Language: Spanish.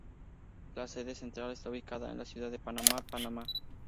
La sede central está ubicada en la ciudad de Panamá, Panamá.